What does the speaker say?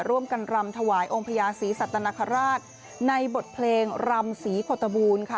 ร่วมกันรำถวายองค์พญาศรีสัตนคราชในบทเพลงรำศรีโคตบูรณ์ค่ะ